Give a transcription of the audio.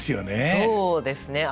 そうですね。